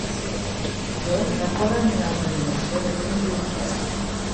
John va córrer en una altra dimensió de temps i espai.